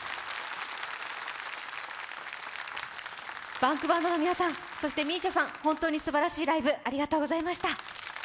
ＢａｎｋＢａｎｄの皆さん、そしてＭＩＳＩＡさん、本当にすばらしいライブ、ありがとうございました。